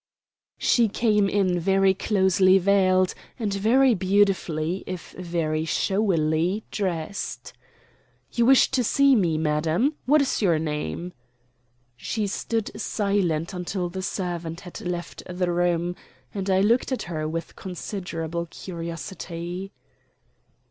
She came in very closely veiled, and very beautifully, if very showily, dressed. "You wish to see me, madam? What is your name?" She stood silent until the servant had left the room; and I looked at her with considerable curiosity.